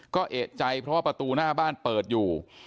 ก็เอกใจเพราะว่าประตูหน้าบ้านเปิดอยู่